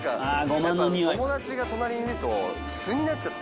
友達が隣にいると素になっちゃって。